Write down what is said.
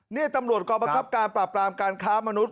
นี่ตำรวจกรบังคับการปราบปรามการค้ามนุษย